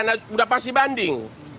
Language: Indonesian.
sudah pasti banding